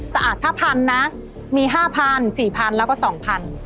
แต่อ่ะถ้าพันนะมี๕พัน๔พันแล้วก็๒พัน